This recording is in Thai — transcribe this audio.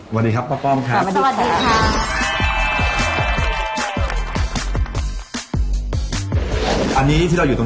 สวัสดีครับป๊อบป้อมค่ะสวัสดีครับ